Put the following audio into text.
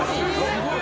すごい！